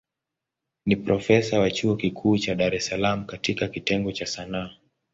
Ni profesa wa chuo kikuu cha Dar es Salaam katika kitengo cha Sanaa.